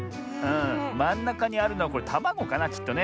まんなかにあるのはたまごかなきっとね。